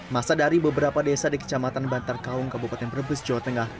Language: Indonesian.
masa dari beberapa desa di kecamatan bantar kaung kabupaten brebes jawa tengah